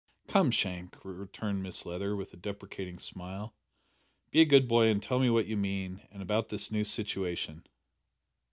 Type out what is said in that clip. "Come, Shank," returned Mrs Leather, with a deprecating smile, "be a good boy and tell me what you mean and about this new situation."